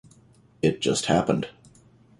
It just happened.